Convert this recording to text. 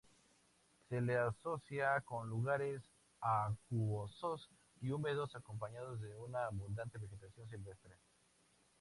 Se le asocia con lugares acuosos y húmedos acompañados de una abundante vegetación silvestre.